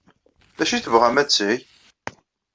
D acu ay tebɣam ad t-teg?